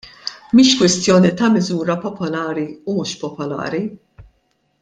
Mhix kwestjoni ta' miżura popolari u mhux popolari.